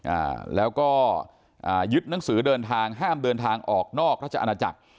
อ่าแล้วก็อ่ายึดหนังสือเดินทางห้ามเดินทางออกนอกราชอาณาจักร